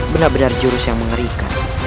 benar benar jurus yang mengerikan